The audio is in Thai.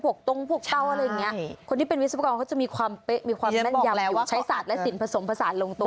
ตรงพวกเตาอะไรอย่างเงี้ยคนที่เป็นวิศวกรเขาจะมีความเป๊ะมีความแม่นยำใช้ศาสตร์และสินผสมผสานลงตัว